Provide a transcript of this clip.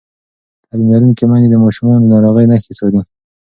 تعلیم لرونکې میندې د ماشومانو د ناروغۍ نښې څاري.